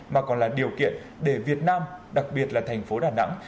mà còn là điều kiện để việt nam đặc biệt là thành phố đà nẵng